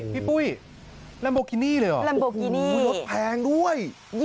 พี่ปุ้ยลัมโบกินี่เลยเหรอรถแพงด้วย